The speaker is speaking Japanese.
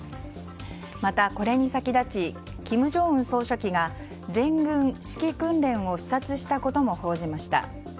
また、これに先立ち金正恩総書記が全軍指揮訓練を視察したことも報じました。